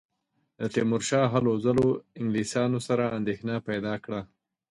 د تیمورشاه هلو ځلو انګلیسیانو سره اندېښنه پیدا کړه.